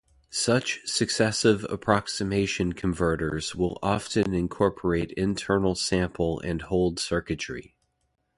Such successive approximation converters will often incorporate internal sample and hold circuitry.